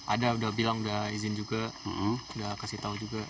ada udah bilang udah izin juga udah kasih tau juga